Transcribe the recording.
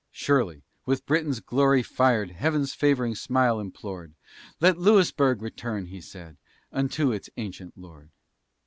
Shirley, with Britain's glory fired, Heaven's favoring smile implored: "Let Louisburg return," he said, "Unto its ancient Lord."